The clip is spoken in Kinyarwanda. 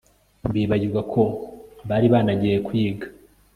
bibagirwa ko bari banagiye kwiga